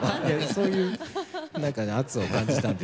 そういう何かね圧を感じたんで。